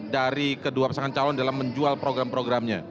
dari kedua pasangan calon dalam menjual program programnya